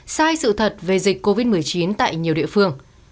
sai sự thật về dịch covid một mươi chín tại nhiều địa phương